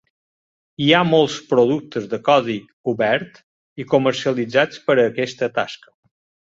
Hi ha molts productes de codi obert i comercialitzats per a aquesta tasca.